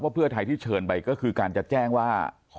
เพื่อไทยที่เชิญไปก็คือการจะแจ้งว่า